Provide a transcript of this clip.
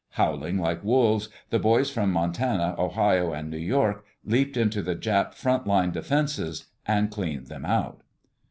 Howling like wolves, the boys from Montana, Ohio, and New York leaped into the Jap front line defenses and cleaned them out.